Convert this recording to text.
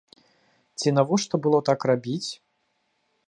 Ці навошта было так рабіць?